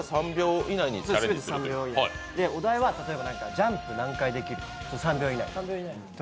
お題は、例えばジャンプ何回できる？３秒以内に。